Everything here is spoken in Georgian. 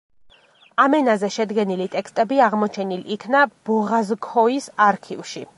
ამ ენაზე შედგენილი ტექსტები აღმოჩენილ იქნა ბოღაზქოის არქივში.